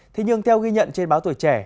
thế nhưng theo ghi nhận trên báo tuổi trẻ